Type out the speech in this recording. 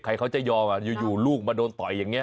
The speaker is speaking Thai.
ใครเขาจะยอมอยู่ลูกมาโดนต่อยอย่างนี้